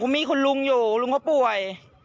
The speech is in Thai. มีคุณลุงอยู่ลุงเขาป่วย